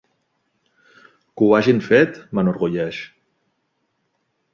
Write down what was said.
Que ho hagin fet, m’enorgulleix.